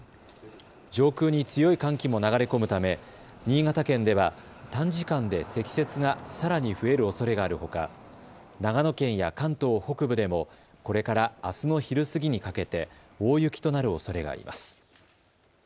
上空に強い寒気も流れ込むため新潟県では短時間で積雪がさらに増えるおそれがあるほか長野県や関東北部でもこれからあすの昼過ぎにかけて大雪となるおそれがあります。